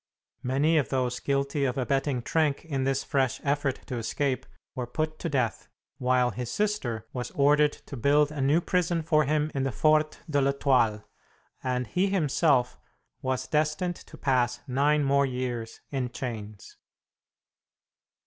Many of those guilty of abetting Trenck in this fresh effort to escape were put to death, while his sister was ordered to build a new prison for him in the Fort de l'Etoile, and he himself was destined to pass nine more years in chains.